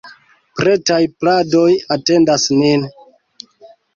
Pretaj pladoj atendas nin!